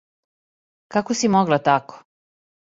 Како си могла тако?